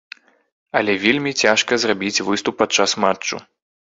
Але вельмі цяжка зрабіць выступ падчас матчу.